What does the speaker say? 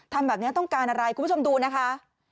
ทำแบบนี้ต้องการอะไรคุณผู้ชมดูนะคะ